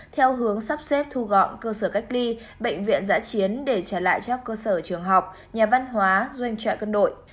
theo hướng sắp xếp thu gọn cơ sở cách ly bệnh viện giã chiến để trả lại cho cơ sở trường học nhà văn hóa doanh trại cân đội